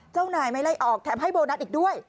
เจ้านายไม่ไล่ออกแถมให้โบนัสอีกด้วย